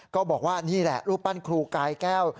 ก็บอกว่านี่แหละรูปปั้นครูกายแก้ว